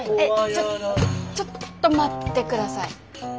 ちょちょっと待って下さい。